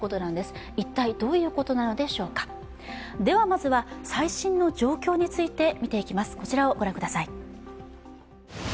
まずは最新の状況について見ていきます。